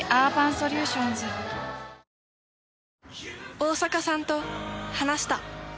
大坂さんと話した。